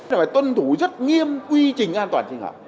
phải tuân thủ rất nghiêm quy trình an toàn